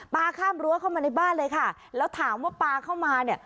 ข้ามรั้วเข้ามาในบ้านเลยค่ะแล้วถามว่าปลาเข้ามาเนี่ย